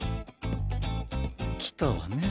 きたわね。